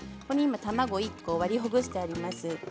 卵１個、割りほぐしてあります。